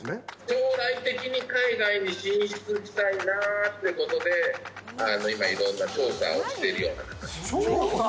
将来的に海外に進出したいなってことで、今いろんな調査をしているような形です。